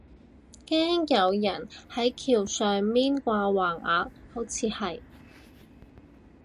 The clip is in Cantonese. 驚有人係橋上面掛橫額，好似係